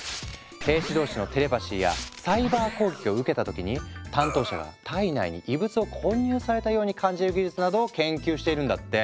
兵士同士のテレパシーやサイバー攻撃を受けた時に担当者が体内に異物を混入されたように感じる技術などを研究しているんだって。